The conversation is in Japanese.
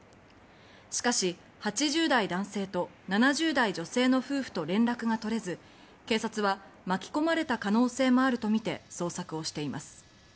しかし、８０代男性と７０代女性の夫婦と連絡が取れず警察は巻き込まれた可能性もあるとみて捜索をしています。